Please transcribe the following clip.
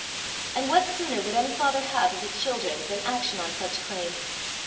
And what sooner would any father have of his children than action on such claim!